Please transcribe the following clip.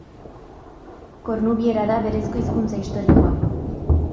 Kornubiera da berezko hizkuntza historikoa.